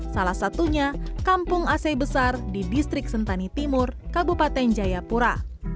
salah satunya kampung ac besar di distrik sentani timur kabupaten jayapura